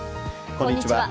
こんにちは。